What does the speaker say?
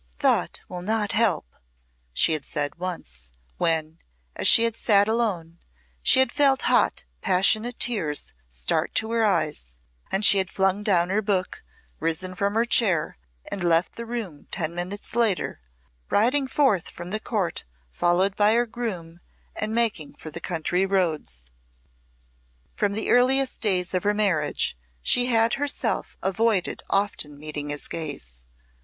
"Thought will not help," she had said once, when, as she had sate alone, she had felt hot, passionate tears start to her eyes, and she had flung down her book, risen from her chair, and left the room ten minutes later, riding forth from the court followed by her groom and making for the country roads. From the earliest days of her marriage she had herself avoided often meeting his gaze.